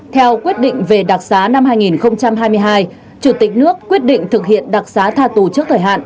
theo quyết định về đặc xá năm hai nghìn hai mươi hai chủ tịch nước quyết định thực hiện đặc xá tha tù trước thời hạn